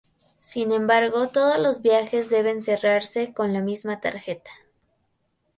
Sin embargo todos los viajes deben "cerrarse" con la misma tarjeta.